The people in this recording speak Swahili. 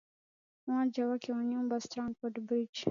uwanja wake wa nyumbani stanford bridge